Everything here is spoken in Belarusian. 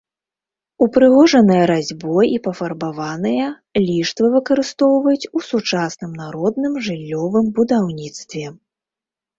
Упрыгожаныя разьбой і пафарбаваныя ліштвы выкарыстоўваюць у сучасным народным жыллёвым будаўніцтве.